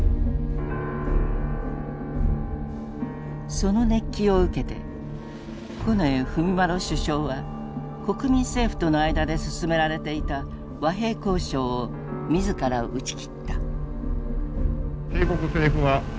その熱気を受けて近衛文麿首相は国民政府との間で進められていた和平交渉を自ら打ち切った。